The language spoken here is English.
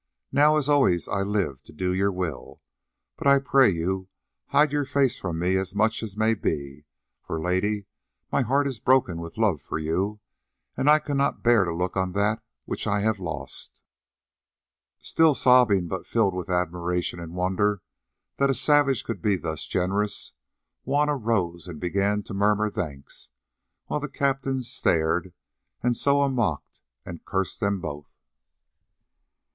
Now as always I live to do your will, but I pray you, hide your face from me as much as may be, for, Lady, my heart is broken with love for you and I cannot bear to look on that which I have lost." Still sobbing, but filled with admiration and wonder that a savage could be thus generous, Juanna rose and began to murmur thanks, while the captains stared, and Soa mocked and cursed them both.